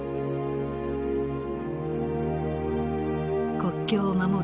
国境を守る